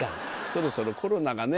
そろそろコロナがね